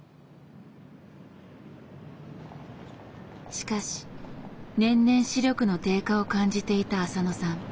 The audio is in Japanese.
しかし年々視力の低下を感じていた浅野さん。